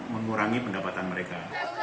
mengurangi pendapatan mereka